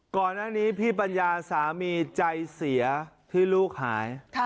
ก่อนหน้านี้พี่ปัญญาสามีใจเสียที่ลูกหาย